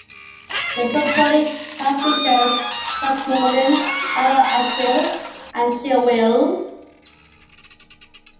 The supporting cast features Frank Morgan, Lionel Atwill, and Chill Wills.